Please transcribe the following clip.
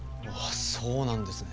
そうなんですね。